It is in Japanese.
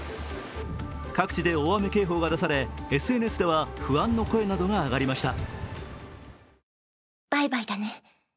各地で大雨警報が出されＳＮＳでは不安の声などが上がりました。